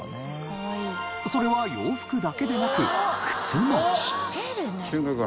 それは洋服だけでなく靴も。